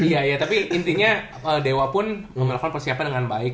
iya ya tapi intinya dewa pun melakukan persiapan dengan baik